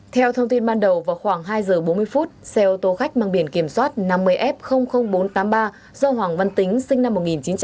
theo thông tin ban đầu vào khoảng hai giờ bốn mươi phút xe ô tô khách mang biển kiểm soát năm mươi f bốn trăm tám mươi ba do hoàng văn tính sinh năm một nghìn chín trăm tám mươi